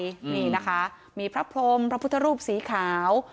นี่นะคะมีพระพรมพระพุทธรูปสีขาว